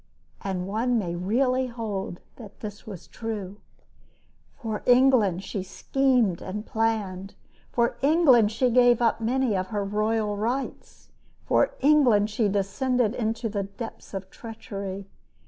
And one may really hold that this was true. For England she schemed and planned. For England she gave up many of her royal rights. For England she descended into depths of treachery.